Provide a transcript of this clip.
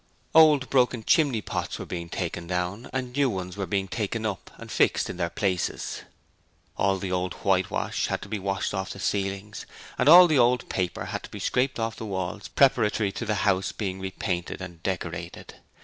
Old broken chimney pots were being taken down and new ones were being taken up and fixed in their places. All the old whitewash had to be washed off the ceilings and all the old paper had to be scraped off the walls preparatory to the house being repainted and decorated.